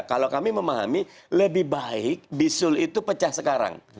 kalau kami memahami lebih baik bisul itu pecah sekarang